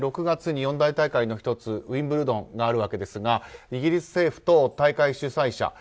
６月に四大大会の１つウィンブルドンがあるんですがイギリス政府と大会主催者。